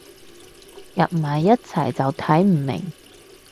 夾埋一齊就睇唔明